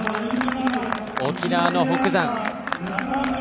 沖縄の北山。